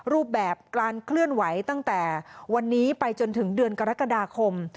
รูปแบบการเคลื่อนไหวตั้งแต่วันนี้ไปจนถึงเดือนกรกฎาคม